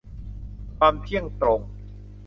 ความเที่ยงตรง